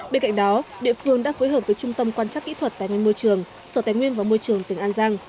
bên cạnh đó địa phương đã phối hợp với trung tâm quan chắc kỹ thuật tài nguyên môi trường sở tài nguyên và môi trường tỉnh an giang